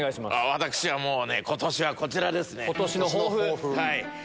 私は今年はこちらですね。